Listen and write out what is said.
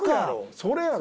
それやろ。